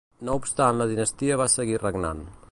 No obstant la dinastia va seguir regnant.